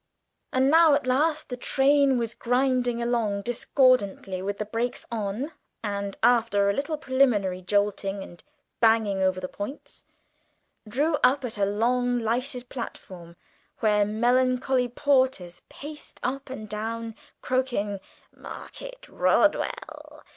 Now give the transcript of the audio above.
And now at last the train was grinding along discordantly with the brakes on, and, after a little preliminary jolting and banging over the points, drew up at a long lighted platform, where melancholy porters paced up and down, croaking "Market Rodwell!"